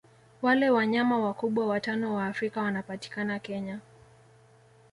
Wale wanyama wakubwa watano wa Afrika wanapatikana Kenya